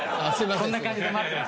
こんな感じで待ってます